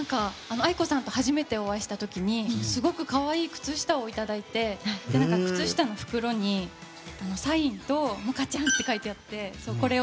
ａｉｋｏさんと初めてお会いした時にすごく可愛い靴下をいただいて靴下の袋にサインと萌歌ちゃんって書いてあって。